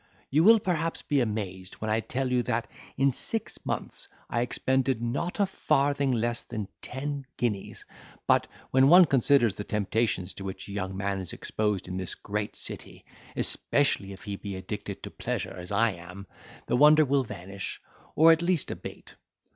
You will perhaps be amazed when I tell you that, in six months, I expended not a farthing less than ten guineas: but, when one considers the temptations to which a young man is exposed in this great city, especially if he be addicted to pleasure, as I am, the wonder will vanish, or at least abate.